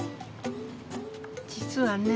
実はね。